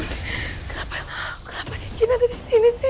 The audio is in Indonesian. kenapa kenapa cina ada di sini sih